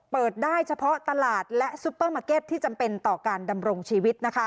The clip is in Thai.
เปิดได้เฉพาะตลาดและซุปเปอร์มาร์เก็ตที่จำเป็นต่อการดำรงชีวิตนะคะ